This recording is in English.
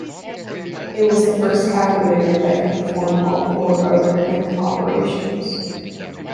It was the first calculator that could perform all four arithmetic operations.